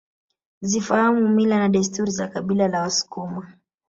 Zifahamu mila na desturi za kabila la wasukuma